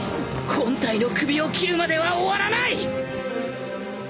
本体の首を斬るまでは終わらない！